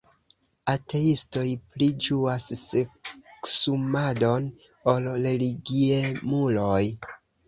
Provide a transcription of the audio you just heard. Ateistoj pli ĝuas seksumadon ol religiemuloj.